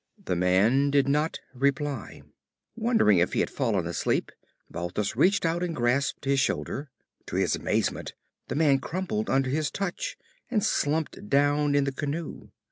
The man did not reply. Wondering if he had fallen asleep, Balthus reached out and grasped his shoulder. To his amazement, the man crumpled under his touch and slumped down in the canoe.